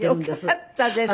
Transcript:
よかったですね。